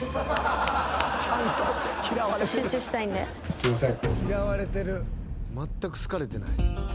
すいません。